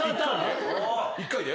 １回で？